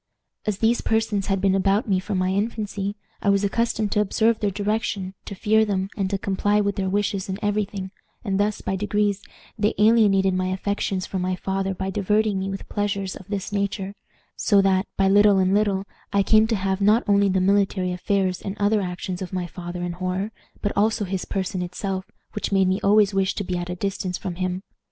As these persons had been about me from my infancy, I was accustomed to observe their directions, to fear them, and to comply with their wishes in every thing, and thus, by degrees, they alienated my affections from my father by diverting me with pleasures of this nature; so that, by little and little, I came to have not only the military affairs and other actions of my father in horror, but also his person itself, which made me always wish to be at a distance from him.